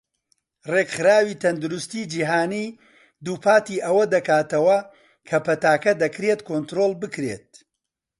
ڕێکخراوی تەندروستی جیهانی دووپاتی ئەوە دەکاتەوە کە پەتاکە دەکرێت کۆنترۆڵ بکرێت.